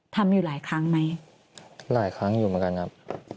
ทำอยู่หลายครั้งไหมหลายครั้งอยู่เหมือนกันครับ